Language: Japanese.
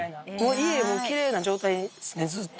家はもうきれいな状態ですね、ずっと。